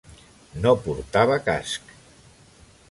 No portava casc.